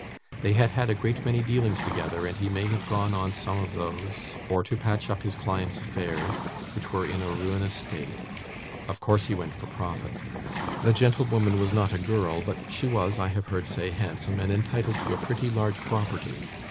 They had had a great many dealings together, and he may have gone on some of those, or to patch up his client's affairs, which were in a ruinous state; of course he went for profit. The gentlewoman was not a girl, but she was, I have heard say, handsome, and entitled to a pretty large property.